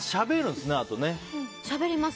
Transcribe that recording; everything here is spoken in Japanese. しゃべります。